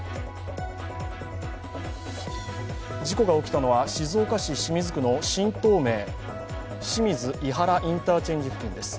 事故が起きたのは静岡市清水区の新東名清水いはらインターチェンジ付近です。